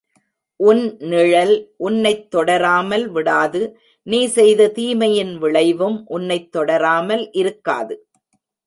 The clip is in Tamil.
உன் நிழல் உன்னைத் தொடராமல் விடாது நீ செய்த தீமையின் விளைவும் உன்னைத் தொடராமல் இருக்காது.